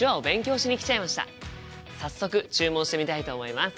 早速注文してみたいと思います。